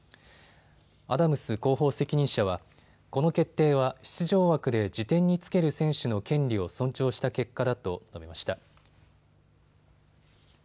アダムス広報責任者は、この決定は出場枠で次点につける選手の権利を尊重した結果だと述べました。